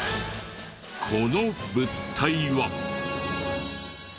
この物体は。